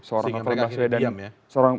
sehingga akhirnya diam ya